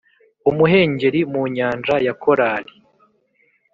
umuhengeri mu nyanja ya korali,